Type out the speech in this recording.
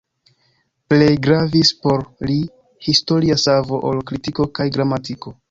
Plej gravis por li historia savo ol kritiko kaj gramatiko.